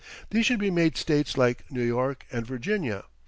These should be made states like New York and Virginia.